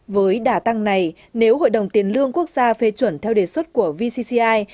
với đả tăng này nếu hội đồng tiền lương quốc gia phê chuẩn theo đề xuất của vcci